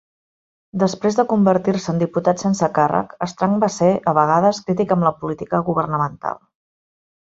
Després de convertir-se en diputat sense càrrec, Strang va ser, a vegades, crític amb la política governamental